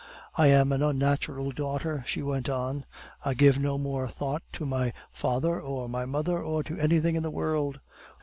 "I am an unnatural daughter!" she went on. "I give no more thought to my father or my mother, or to anything in the world.